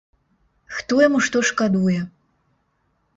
Хто яму што шкадуе?